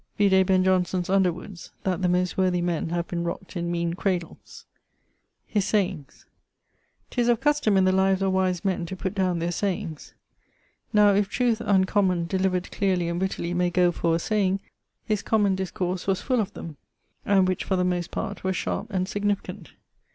Vide Ben Jonson's Underwoods that 'the most worthy men have been rock't in meane cradles.' <_His sayings._> 'Tis of custome in the lives of wise men to putt downe their sayings. Now if trueth (uncommon) delivered clearly and wittily may goe for a saying, his common discourse was full of them, and which for the most part were sharpe and significant.